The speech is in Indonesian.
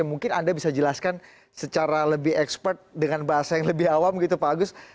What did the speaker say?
mungkin anda bisa jelaskan secara lebih expert dengan bahasa yang lebih awam gitu pak agus